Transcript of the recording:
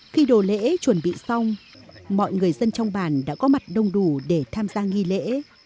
khi đồ lễ chuẩn bị xong mọi người dân trong bàn đã có mặt đông đủ để tham gia nghi lễ